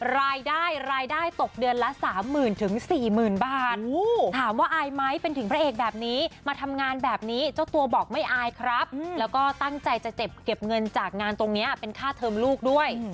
แล้วก็ตั้งใจจะเจ็บเก็บเงินจากงานตรงนี้เป็นค่าเทิมลูกด้วย